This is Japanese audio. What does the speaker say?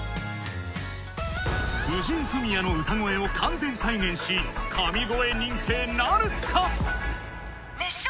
藤井フミヤの歌声を完全再現し神声認定なるか⁉・熱唱！